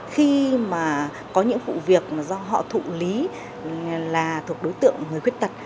khi mà có những vụ việc mà do họ thụ lý là thuộc đối tượng người khuyết tật